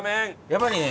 やっぱりね